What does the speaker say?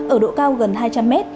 ở độ cao gần hai trăm linh m